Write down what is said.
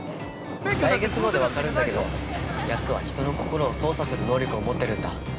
来月号で分かるんだけど、やつは人の心を操作する能力を持ってるんだ。